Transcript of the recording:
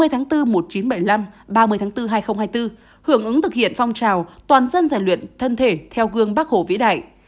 ba mươi tháng bốn một nghìn chín trăm bảy mươi năm ba mươi tháng bốn hai nghìn hai mươi bốn hưởng ứng thực hiện phong trào toàn dân giải luyện thân thể theo gương bác hồ vĩ đại